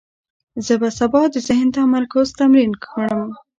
زه به سبا د ذهن تمرکز تمرین کړم.